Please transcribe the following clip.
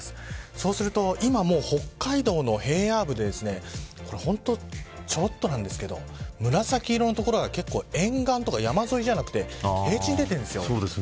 そうすると今もう北海道の平野部で本当に、ちょろっとなんですけど紫色の所が沿岸とか山沿いじゃなくて平地に出てるんです。